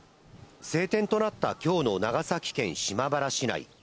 晴天となったきょうの長崎県島原市内。